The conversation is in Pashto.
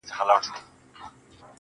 وربــاندي نــه وركوم ځــان مــلــگــرو